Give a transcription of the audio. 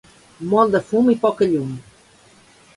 Molt de fum i poca llum.